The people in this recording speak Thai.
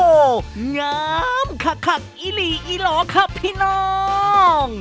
โอ้โหงามขักอีหลีอีหล่อค่ะพี่น้อง